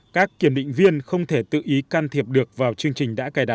các kiểm định viên không thể tự ý can thiệp được vào chương trình đã cài đặt